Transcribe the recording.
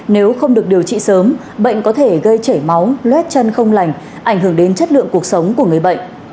nếu không được điều trị sớm bệnh có thể gây chảy máu luét chân không lành ảnh hưởng đến chất lượng cuộc sống của người bệnh